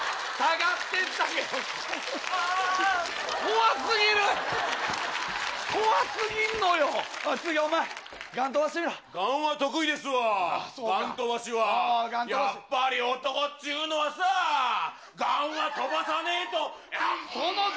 がん飛ばしは、やっぱり男っちゅうのはさ、がんは飛ばさねえと。